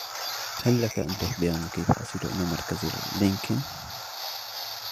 هل لك أن تخبرني كيف أصل إلى مركز لنكن ؟